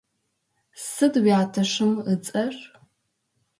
Сыд уятэщым ыцӏэр?